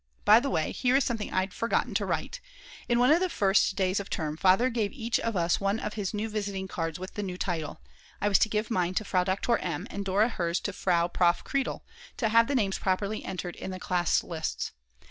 By the way, here is something I'd forgotten to write: In one of the first days of term Father gave each of us one of his new visiting cards with the new title, I was to give mine to Frau Doktor M. and Dora hers to Frau Prof. Kreidl, to have the names properly entered in the class lists.